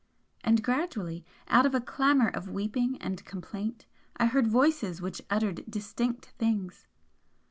And gradually, out of a clamour of weeping and complaint, I heard voices which uttered distinct things.